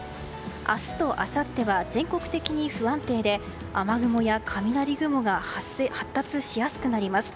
明日とあさっては全国的に不安定で雨雲や雷雲が発達しやすくなります。